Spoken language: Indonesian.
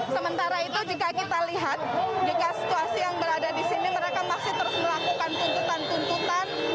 sementara itu jika kita lihat jika situasi yang berada di sini mereka masih terus melakukan tuntutan tuntutan